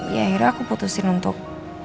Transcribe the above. ya akhirnya aku putusin untuk